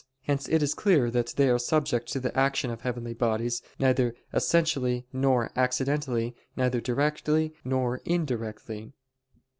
Hence it is clear that they are subject to the action of heavenly bodies neither essentially nor accidentally, neither directly nor indirectly.